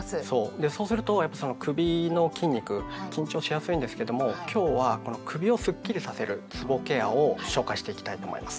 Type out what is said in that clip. でそうすると首の筋肉緊張しやすいんですけども今日は首をスッキリさせるつぼケアを紹介していきたいと思います。